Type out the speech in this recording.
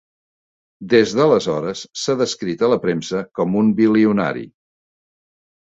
Des d'aleshores, s'ha descrit a la premsa com un bilionari.